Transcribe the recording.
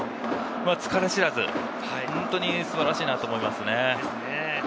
疲れ知らず、本当に素晴らしいなと思いますね。